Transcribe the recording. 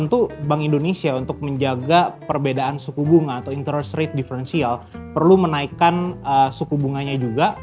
tentu bank indonesia untuk menjaga perbedaan suku bunga atau interest rate differential perlu menaikkan suku bunganya juga